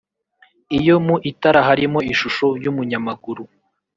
Iyo mu itara harimo ishusho y'umunyamaguru